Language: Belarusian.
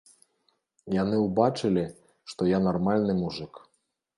Яны ўбачылі, што я нармальны мужык.